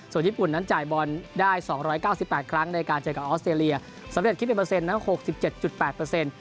ส่วนญี่ปุ่นนั้นจ่ายบอลได้๒๙๘ครั้งในการเจอกับออสเตรเลียสำเร็จคิดเป็นเปอร์เซ็นต์๖๗๘เปอร์เซ็นต์